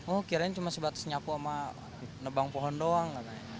oh kiranya cuma sebatas nyapu sama nebang pohon doang